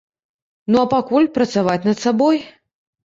Ну, а пакуль працаваць над сабой.